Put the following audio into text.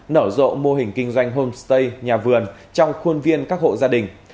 nở rộ mô hình kinh doanh homestay nhà vườn trong khuôn viên các hộ gia đình